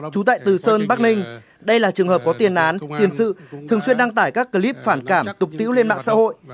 trú tại từ sơn bắc ninh đây là trường hợp có tiền án tiền sự thường xuyên đăng tải các clip phản cảm tục tiễu lên mạng xã hội